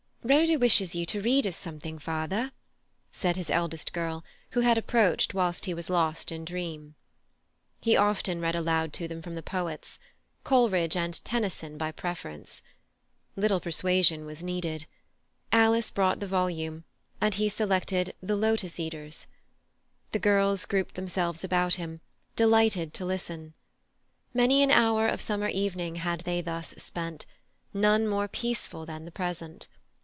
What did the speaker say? "Rhoda wishes you to read us something, father," said his eldest girl, who had approached whilst he was lost in dream. He often read aloud to them from the poets; Coleridge and Tennyson by preference. Little persuasion was needed. Alice brought the volume, and he selected "The Lotus Eaters." The girls grouped themselves about him, delighted to listen. Many an hour of summer evening had they thus spent, none more peaceful than the present.